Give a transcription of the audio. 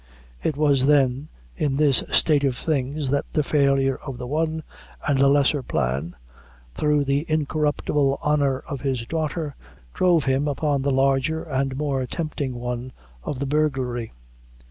It was, then, in this state of things that the failure of the one, and the lesser plan, through the incorruptible honor of his daughter, drove him upon the larger and more tempting one of the burglary.